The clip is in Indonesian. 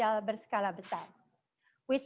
di posisi yang lebih baik